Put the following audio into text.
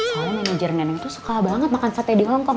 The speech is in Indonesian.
soalnya manajer nenek suka banget makan sate di hongkong